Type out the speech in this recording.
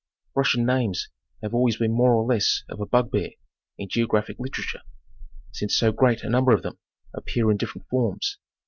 Russian names have always been more or less of a bugbear in geographic literature, since so great a number of them appear in different forms.